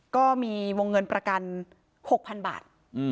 ก็มีวงเงินประกัน๖๐๐๐บาท